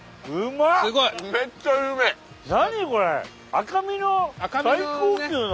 赤身の最高級の。